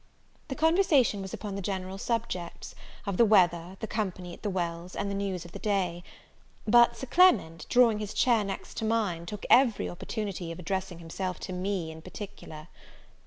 The conversation was upon the general subjects, of the weather, the company at the Wells, and the news of the day. But Sir Clement, drawing his chair next to mine, took every opportunity of addressing himself to me in particular.